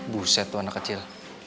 buset tuh anak kecil